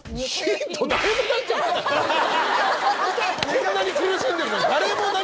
こんなに苦しんでるのに。